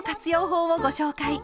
法をご紹介。